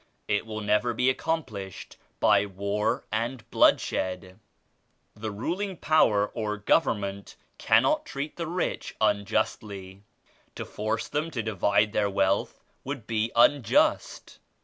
It will never be accomplished by war and bloodshed. The ruling power or government can not treat the rich unjustly. To force them to di vide their wealth would be unjust.